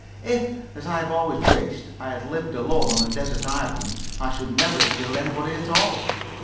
If, as I have always wished, I had lived alone on a desert island, I should never have killed anybody at all.